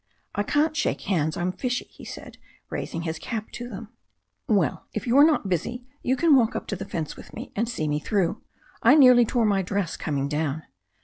"I can't shake hands, I'm fishy," he said, raising his cap to them. "Well, if you are not busy you can walk up to the fence with me, and see me through. I nearly tore my dress com ing down."